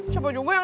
siapa juga yang